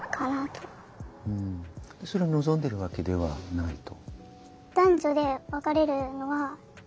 でそれを望んでるわけではないと。